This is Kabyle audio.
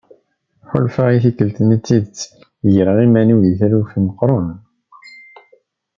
Ḥulfaɣ tikkelt-nni s tidet greɣ iman-iw di taluft meqqren.